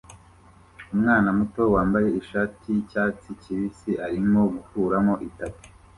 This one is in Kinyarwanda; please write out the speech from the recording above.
Umwana muto wambaye ishati yicyatsi kibisi arimo gukuramo itapi